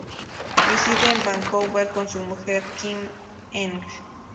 Reside en Vancouver con su mujer, Kim Eng.